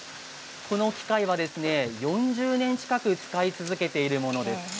この機械は４０年近く使い続けているものです。